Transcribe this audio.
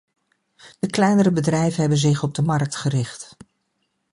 De kleinere bedrijven hebben zich op de markt gericht.